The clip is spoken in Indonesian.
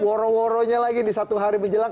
woro woronya lagi di satu hari menjelang